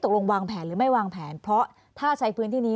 วางแผนหรือไม่วางแผนเพราะถ้าใช้พื้นที่นี้